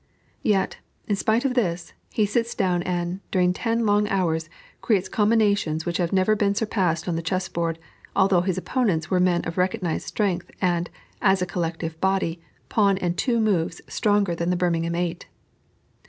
Yet, in spite of this, he sits down, and, during ten long hours, creates combinations which have never been surpassed on the chess board, although his opponents were men of recognized strength, and, as a collective body, Pawn and Two Moves stronger than the Birmingham eight.